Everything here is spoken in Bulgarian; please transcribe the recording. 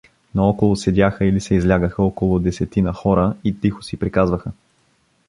Наоколо седяха или се излягаха около десетина хора и тихо си приказваха.